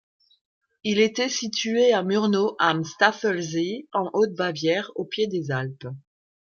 Il était situé à Murnau am Staffelsee en Haute-Bavière, au pied des Alpes.